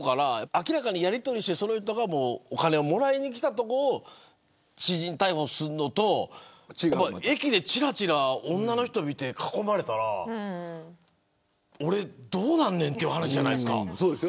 明らかにやり取りしていてその人がお金をもらいに来たところを私人逮捕するのと駅でちらちら女の人を見て囲まれたら俺どうなんねんという話じゃないですか。